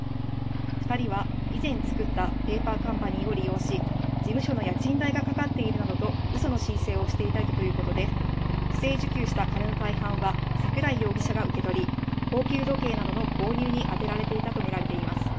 ２人は以前作ったペーパーカンパニーを利用し、事務所の家賃代がかかっているなどと、うその申請をしていたということで、不正受給した金の大半は、桜井容疑者が受け取り、高級時計などの購入に充てられていたと見られています。